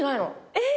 えっ！